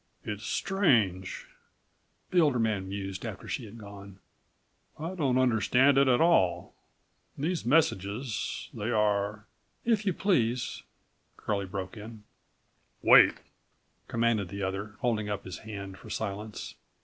"It's strange," the older man mused after she had gone. "I don't understand it at all. These messages, they are—" "If you please—" Curlie broke in. "Wait!" commanded the other, holding up his hand for silence.